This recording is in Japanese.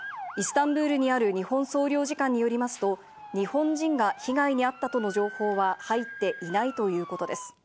イスタンブールにある日本国総領事館によりますと、日本人が被害にあったとの情報は入っていないということです。